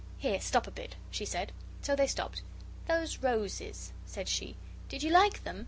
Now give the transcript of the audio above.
"Here, stop a bit," she said. So they stopped. "Those roses," said she. "Did you like them?"